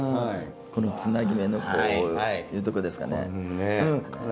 このつなぎ目のこういうとこですかね。